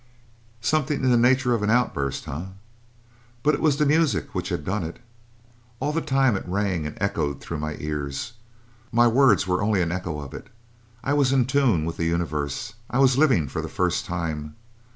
"Something in the nature of an outburst, eh? But it was the music which had done it. All the time it rang and echoed through my ears. My words were only an echo of it. I was in tune with the universe. I was living for the first time.